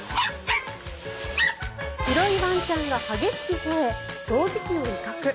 白いワンちゃんが激しくほえ掃除機を威嚇。